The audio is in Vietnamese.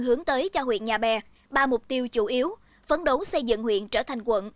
hướng tới cho huyện nhà bè ba mục tiêu chủ yếu phấn đấu xây dựng huyện trở thành quận